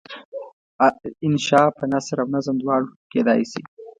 انشأ په نثر او نظم دواړو کیدای شي.